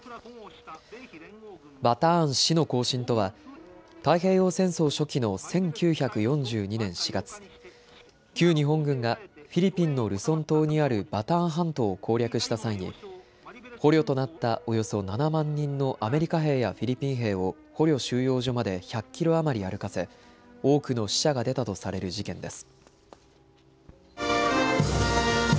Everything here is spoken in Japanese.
バターン死の行進とは太平洋戦争初期の１９４２年４月、旧日本軍がフィリピンのルソン島にあるバターン半島を攻略した際に捕虜となったおよそ７万人のアメリカ兵やフィリピン兵を捕虜収容所まで１００キロ余り歩かせ多くの死者が出たとされる事件です。